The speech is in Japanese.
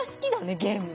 ゲームね。